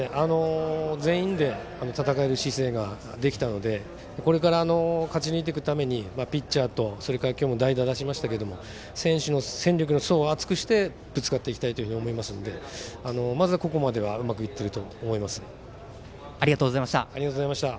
全員で戦える姿勢ができたのでこれから勝っていくためにピッチャーと今日も代打を出しましたが選手の戦力の層を厚くしてぶつかっていきたいと思うのでまずは、ここまではありがとうございました。